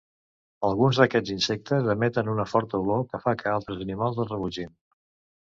Alguns d'aquests insectes emeten una forta olor, que fa que altres animals els rebutgin.